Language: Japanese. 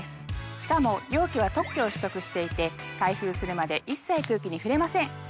しかも容器は特許を取得していて開封するまで一切空気に触れません。